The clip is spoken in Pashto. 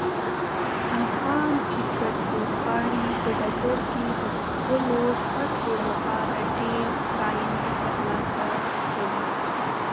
افغان کرکټ لوبغاړي په ډګر کې د خپلو هڅو لپاره ډیرې ستاینې ترلاسه کوي.